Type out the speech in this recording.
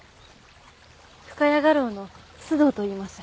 深谷画廊の須藤といいます。